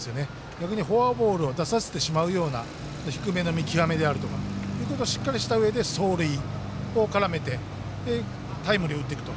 逆にフォアボールを出させてしまうような低めの見極めであるというところがしっかりしたうえで走塁を絡めてタイムリーを打っていくと。